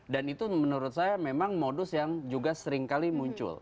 dan itu menurut saya memang modus yang juga sering kali muncul